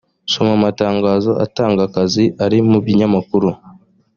soma amatangazo atanga akazi ari mu binyamakuru